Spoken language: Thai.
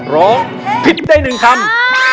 โรคผิดได้๑คำ